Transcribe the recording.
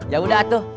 ya udah tuh